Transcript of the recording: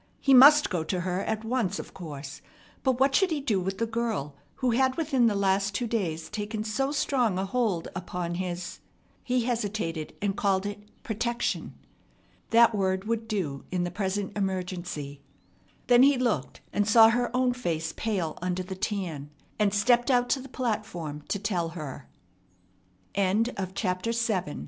He must go to her at once, of course; but what should he do with the girl who had within the last two days taken so strong a hold upon his he hesitated, and called it "protection." That word would do in the present emergency. Then he looked, and saw her own face pale under the tan, and stepped out to the platform to tell her. CHAPTER VIII THE PARTING She t